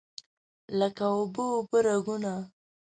لکه اوبه، اوبه راګونه